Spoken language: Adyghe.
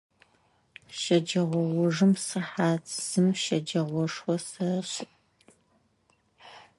Щэджэгъоужым сыхьат зым щэджагъошхэ сэшӏы.